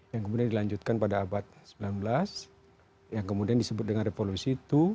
yang kemudian dilanjutkan pada abad sembilan belas yang kemudian disebut dengan revolusi dua